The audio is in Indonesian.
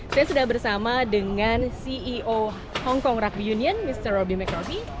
saya sudah bersama dengan ceo hongkong rugby union mr robbie mcrobbie